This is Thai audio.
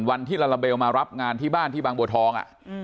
ลาลาเบลมารับงานที่บ้านที่บางบัวทอง